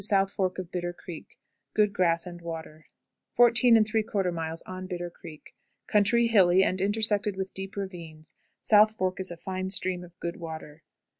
South Fork of Bitter Creek. Good grass and water. 14 3/4. On Bitter Creek. Country hilly, and intersected with deep ravines. South Fork is a fine stream of good water.